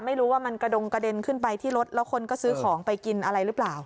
ไม่รู้ว่ามันกระดงกระเด็นขึ้นไปที่รถแล้วคนก็ซื้อของไปกินอะไรหรือเปล่า